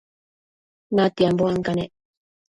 natianbo ancanec